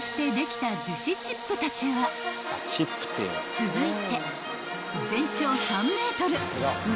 ［続いて］